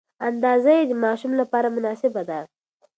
اندازه یې د ماشوم لپاره مناسبه ده.